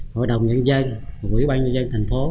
hội đồng nhân dân quỹ ban nhân dân thành phố